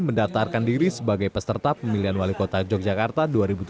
mendaftarkan diri sebagai peserta pemilihan wali kota yogyakarta dua ribu tujuh belas